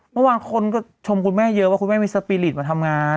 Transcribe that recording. เมื่อวานคนก็ชมคุณแม่เยอะว่าคุณแม่มีสปีริตมาทำงาน